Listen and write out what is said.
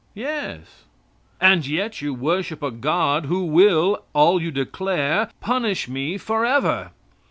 "Yes." "And yet you worship a God who will, all you declare, punish me forever."